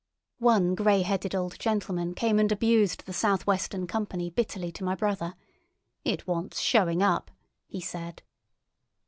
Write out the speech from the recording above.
One grey headed old gentleman came and abused the South Western Company bitterly to my brother. "It wants showing up," he said.